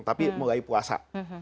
tapi mulai puasa